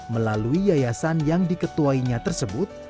melalui yayasan yang diketuainya tersebut